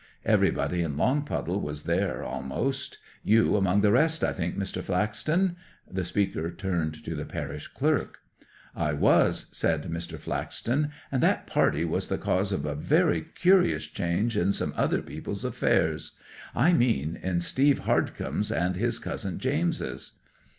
Everybody in Longpuddle was there almost; you among the rest, I think, Mr. Flaxton?' The speaker turned to the parish clerk. 'I was,' said Mr. Flaxton. 'And that party was the cause of a very curious change in some other people's affairs; I mean in Steve Hardcome's and his cousin James's.